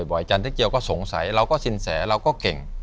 อาจารย์เจ๊เกียวก็สงสัยเราก็สินแสเราก็เก่ง